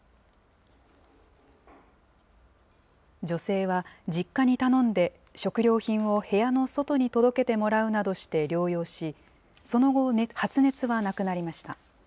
女性は、実家に頼んで、食料品を部屋の外に届けてもらうなどして療養し、その後、発熱はなくなりました。